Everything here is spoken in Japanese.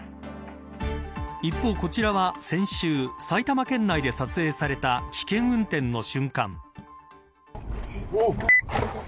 一方こちらは先週埼玉県内で撮影された危険運転の瞬間。